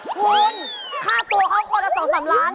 คุณค่าตัวเขาคนละ๒๓ล้าน